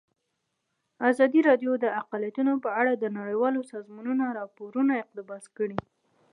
ازادي راډیو د اقلیتونه په اړه د نړیوالو سازمانونو راپورونه اقتباس کړي.